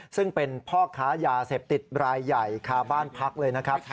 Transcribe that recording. ซึ่งเป็นพ่อค้ายาเสพติดรายใหญ่คาบ้านพักเลยนะครับ